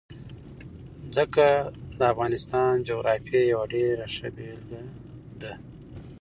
ځمکه د افغانستان د جغرافیې یوه ډېره ښه بېلګه ده.